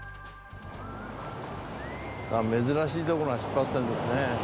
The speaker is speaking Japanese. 珍しい所が出発点ですね。